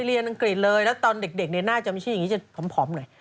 อ่าเรียนอังกฤษเลยแล้วตอนเด็กเรียนหน้าจำชีอย่างนี้จะผอมหน่อย